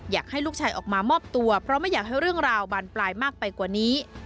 อยากให้ลูกชายออกมามอบตัวเพราะไม่อยากให้เรื่องราวบานปลายมากไปกว่านี้